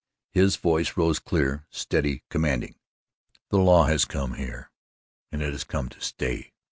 His voice rose clear, steady, commanding: "The law has come here and it has come to stay."